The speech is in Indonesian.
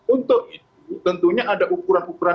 untuk itu tentunya ada ukuran ukuran